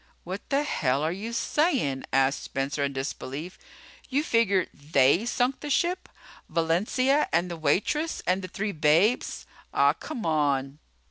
"What the hell are you sayin'?" asked Spencer in disbelief. "You figure they sunk the ship? Valencia and the waitress and the three babes? Ah, come on."